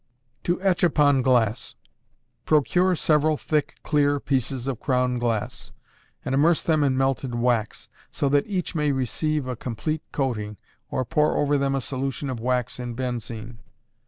To Etch upon Glass. Procure several thick, clear pieces of crown glass, and immerse them in melted wax, so that each may receive a complete coating, or pour over them a solution of wax in benzine.